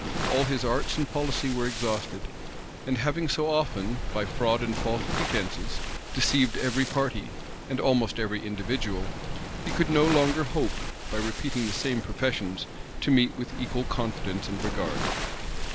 All his arts and policy were exhausted; and having so often, by fraud and false pretences, deceived every party, and almost every individual, he could no longer hope, by repeating the same professions, to meet with equal confidence and regard.